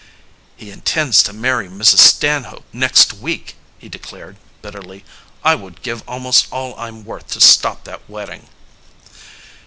"He intends to marry Mrs. Stanhope next week," he declared bitterly. "I would give almost all I'm worth to stop that wedding."